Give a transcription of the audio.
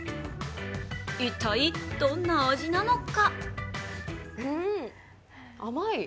一体、どんな味なのか？